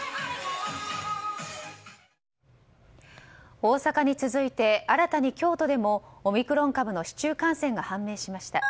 大阪に続いて新たに京都でもオミクロン株の市中感染が判明しました。